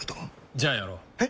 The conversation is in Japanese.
じゃあやろう。え？